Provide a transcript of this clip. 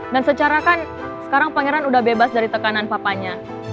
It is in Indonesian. dan secara kan sekarang pangeran udah bebas dari tekanan papanya